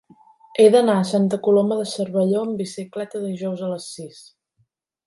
He d'anar a Santa Coloma de Cervelló amb bicicleta dijous a les sis.